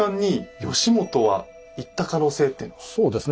そうですね。